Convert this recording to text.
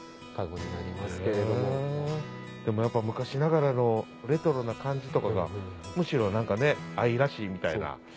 でもやっぱ昔ながらのレトロな感じとかがむしろ何か愛らしいみたいな。